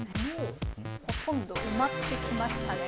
ほとんど埋まってきましたね。